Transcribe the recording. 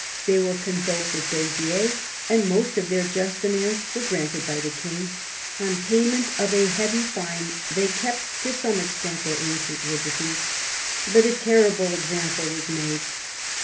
They were convoked at Beziers, and most of their just demands were granted by the King. On pay ment of a heavy fine they kept to some extent their ancient liberties. But a terrible example was made.